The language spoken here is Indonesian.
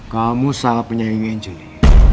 kamu salah punya ingin angel li